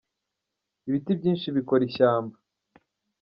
ibiti byinshi bikora ishyamba